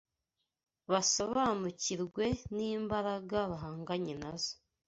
basobanukirwe n’imbaraga bahanganye na zo